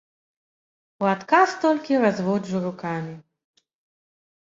У адказ толькі разводжу рукамі.